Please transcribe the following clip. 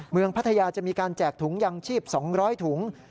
พัทยาจะมีการแจกถุงยางชีพ๒๐๐ถุง